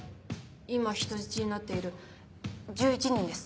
今人質になっている１１人です